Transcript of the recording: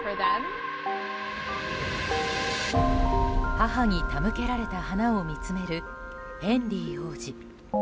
母に手向けられた花を見つめるヘンリー王子。